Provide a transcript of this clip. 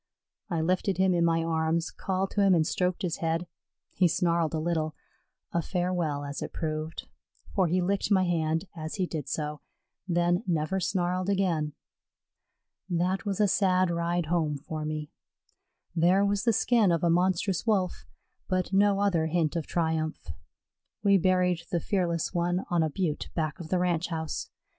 I lifted him in my arms, called to him and stroked his head. He snarled a little, a farewell as it proved, for he licked my hand as he did so, then never snarled again. That was a sad ride home for me. There was the skin of a monstrous Wolf, but no other hint of triumph. We buried the fearless one on a butte back of the Ranch house.